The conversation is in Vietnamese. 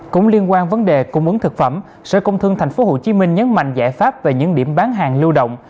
cũng liên quan vấn đề cung ứng thực phẩm sở công thương tp hcm nhấn mạnh giải pháp về những điểm bán hàng lưu động